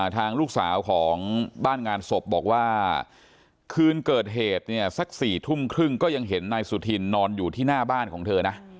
ทางลูกสาวของบ้านงานศพบอกว่าคืนเกิดเหตุเนี่ยสัก๔ทุ่มครึ่งก็ยังเห็นนายสุธินนอนอยู่ที่หน้าบ้านของเธอนะ